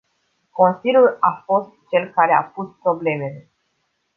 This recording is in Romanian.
Consiliul a fost cel care a pus problemele.